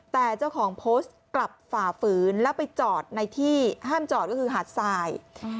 แต่เจ้าของโพสต์กลับฝ่าฝืนแล้วไปจอดในที่ห้ามจอดก็คือหาดทราย